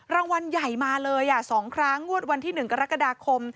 รางวัลใหญ่มาเลย๒ครั้งงวดวันที่๑กรกฎาคม